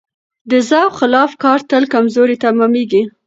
د ذوق خلاف کار تل کمزوری تمامېږي.